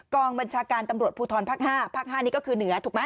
กองบัญชาการตำรวจภูทรภักดิ์ห้าภักดิ์ห้านี้ก็คือเหนือถูกไหม